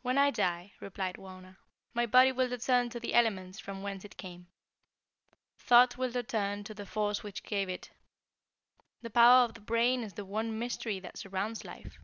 "When I die," replied Wauna, "my body will return to the elements from whence it came. Thought will return to the force which gave it. The power of the brain is the one mystery that surrounds life.